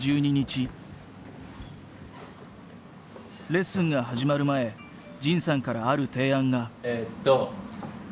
レッスンが始まる前仁さんからある提案が。